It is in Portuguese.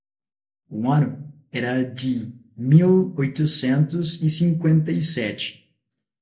o ano era de mil oitocentos e cinquenta e sete.